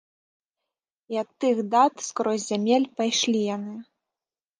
І ад тых дат скрозь зямель пайшлі яны.